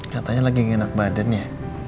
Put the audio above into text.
katanya lagi enak badan ya